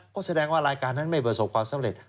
ก็แสดงว่ารายการนั้นไม่ประสบความสำเร็จ